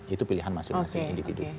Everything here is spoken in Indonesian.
itu pilihan masing masing individu